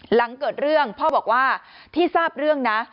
หลังเกิดเรื่องพ่อบอกว่าที่ทราบเรื่องนะ